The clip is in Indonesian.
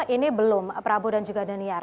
ini belum prabu dan juga daniar